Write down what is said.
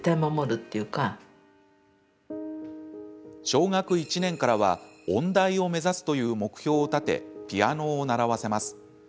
小学１年からは音大を目指すという目標を立てピアノを習わせます。